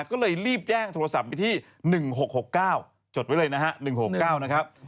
ก็เลยรีบแจ้งโทรศัพท์ไปที่๑๖๖๙จดไว้เลยนะฮะ๑๖๙นะครับ